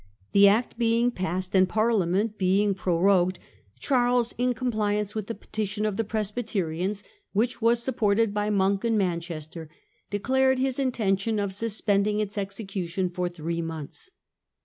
The Act being passed, and to^suspend 1 Parliament being prorogued, Charles, in com the law. pliance with the petition of the Presbyterians, which was supported by Monk and Manchester, declared his intention of suspending its execution for three months.